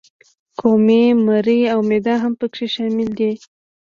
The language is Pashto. کومي، مرۍ او معده هم پکې شامل دي.